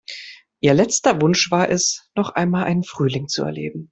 Ihr letzter Wunsch war es, noch einmal einen Frühling zu erleben.